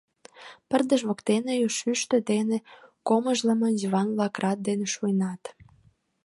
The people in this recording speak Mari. Пырдыж воктене шӱштӧ дене комыжлымо диван-влак рат дене шуйнат.